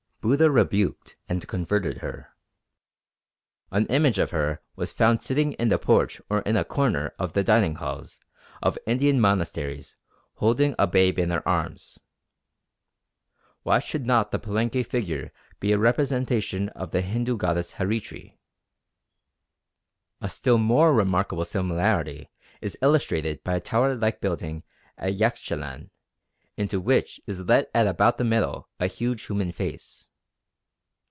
Buddha rebuked and converted her. An image of her was found sitting in the porch or in a corner of the dining halls of Indian monasteries holding a babe in her arms." Why should not the Palenque figure be a representation of the Hindu goddess Haritri? A still more remarkable similarity is illustrated by a tower like building at Yaxchilan into which is let at about the middle a huge human face.